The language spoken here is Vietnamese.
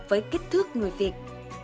với kích thước người việt